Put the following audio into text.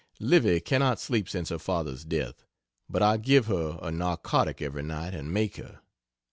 Livy cannot sleep since her father's death but I give her a narcotic every night and make her.